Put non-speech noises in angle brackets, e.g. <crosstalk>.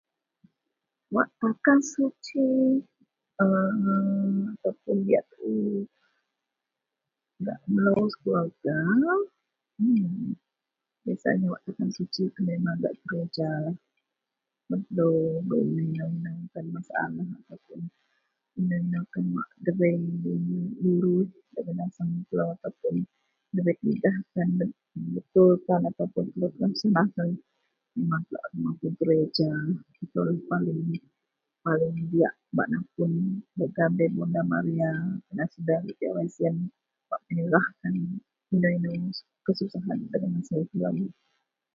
Wak takan suci Aaa ataupuun diyak tuu gak melou sekeluwarga mmm, biasanya takan suci itou memang gak gereja <unintelligible> debei dagen naseng ataupuun ndabei tigah tan, betul tan, ataupuun iman telou paling diyak bak napun Bonda Maria. Sebieng gak jawai siyen, bak menyerah tan inou-inou kesusahan.